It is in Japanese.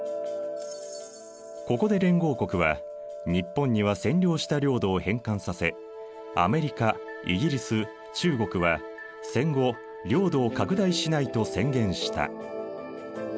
ここで連合国は日本には占領した領土を返還させアメリカイギリス中国は戦後領土を拡大しないと宣言した。